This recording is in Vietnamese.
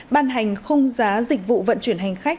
ban hành không giá dịch vụ vận chuyển hành khách